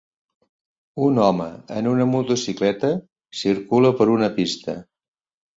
Un home en una motocicleta circula per una pista.